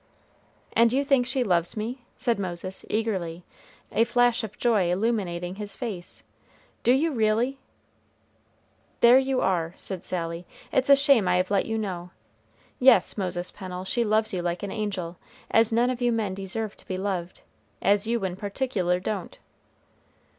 "And you think she loves me?" said Moses, eagerly, a flash of joy illuminating his face; "do you, really?" "There you are," said Sally; "it's a shame I have let you know! Yes, Moses Pennel, she loves you like an angel, as none of you men deserve to be loved, as you in particular don't."